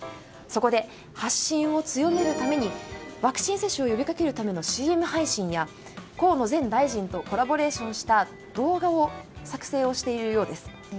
そこで発信を強めるためにワクチン接種を呼びかけるためのＣＭ配信や、河野前大臣とコラボレーションした動画を作成しているようです。